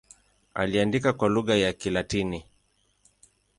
Aliandika kwa lugha ya Kilatini.